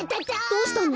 どうしたの？